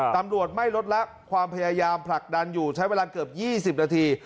ตำรวจไม่ลดละความพยายามผลักดันอยู่ใช้เวลาเกือบ๒๐นาที